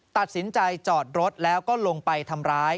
ตัดสินใจจอดรถแล้วก็ลงไปทำร้าย